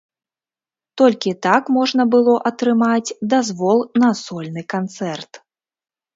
Толькі так можна было атрымаць дазвол на сольны канцэрт.